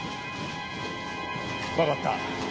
わかった。